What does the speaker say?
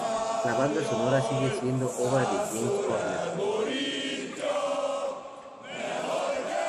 La banda sonora sigue siendo obra de James Horner.